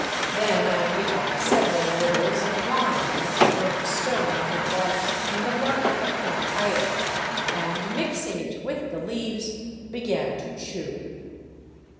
Then I bit off several nibbles of lime from the burnt stone I had bought in the market of Huancayo and, mixing it with the leaves, began to chew.